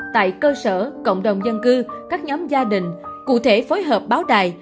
tại cơ sở cộng đồng dân cư các nhóm gia đình cụ thể phối hợp báo đài